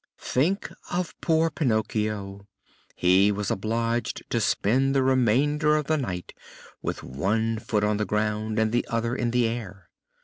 Think of poor Pinocchio! He was obliged to spend the remainder of the night with one foot on the ground and the other in the air.